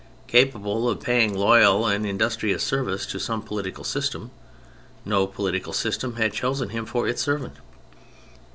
Capable of paying loyal and industrious service to some political system, no political system had chosen him for its servant.